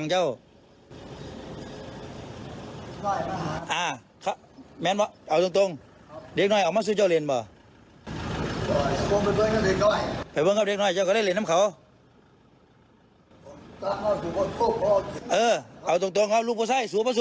เอาเดี๋ยวลองดูค่ะ